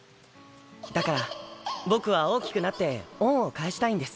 だから僕は大きくなって恩を返したいんです。